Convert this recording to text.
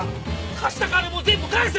貸した金も全部返せ